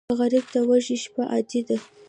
غریب ته وږې شپه عادي ده